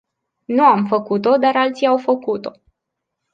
Nu am făcut-o, dar alții au făcut-o.